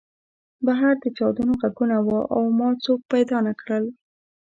بهر د چاودنو غږونه وو او ما څوک پیدا نه کړل